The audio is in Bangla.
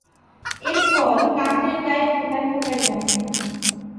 এর ফল কাণ্ডের গায়ে থোকায় থোকায় জন্মে।